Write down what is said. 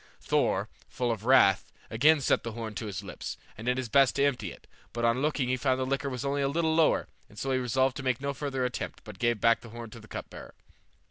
Thor, full of wrath, again set the horn to his lips, and did his best to empty it; but on looking in found the liquor was only a little lower, so he resolved to make no further attempt, but gave back the horn to the cup bearer.